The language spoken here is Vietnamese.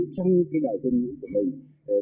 trong cái đại phương việt nam